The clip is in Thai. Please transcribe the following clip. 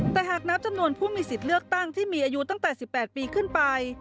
แต่หากนับจำนวนผู้มีสิทธิ์เลือกตั้งที่มีอายุตั้งแต่๑๘ปีขึ้นไป